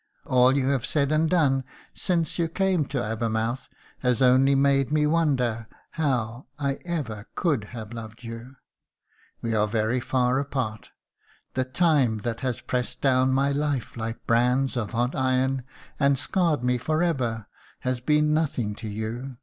All you have said and done since you came to Abermouth has only made me wonder how I ever could have loved you. We are very far apart; the time that has pressed down my life like brands of hot iron, and scarred me for ever, has been nothing to you.